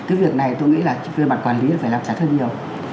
cái việc này tôi nghĩ là về mặt quản lý thì phải làm trả thân nhiều